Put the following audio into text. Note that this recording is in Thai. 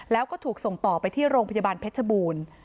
แล้วก็ถูกส่งต่อไปที่โรงพยาบาลเพชรบูรณ์